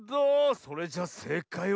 それじゃせいかいは。